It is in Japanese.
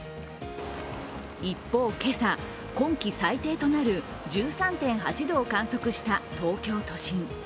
一方、今朝、今季最低となる１３．８度を観測した東京都心。